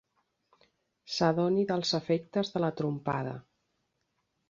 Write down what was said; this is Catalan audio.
S'adoni dels efectes de la trompada.